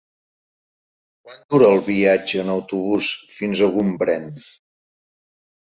Quant dura el viatge en autobús fins a Gombrèn?